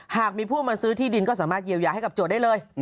หากมีผู้มาซื้อที่ดินก็สามารถเยียวยาให้กับโจทย์ได้เลย